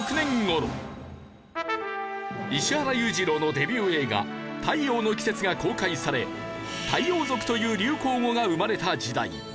石原裕次郎のデビュー映画『太陽の季節』が公開され太陽族という流行語が生まれた時代。